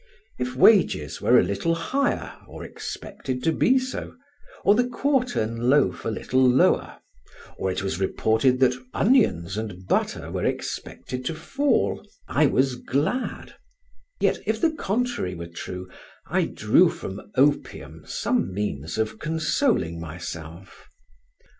If wages were a little higher or expected to be so, or the quartern loaf a little lower, or it was reported that onions and butter were expected to fall, I was glad; yet, if the contrary were true, I drew from opium some means of consoling myself.